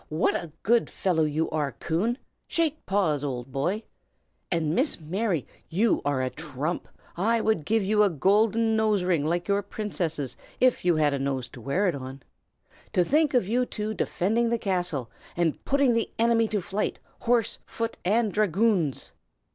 what a good fellow you are, Coon! Shake paws, old boy! And Miss Mary, you are a trump, and I would give you a golden nose ring like your Princess's if you had a nose to wear it on. To think of you two defending the castle, and putting the enemy to flight, horse, foot, and dragoons!"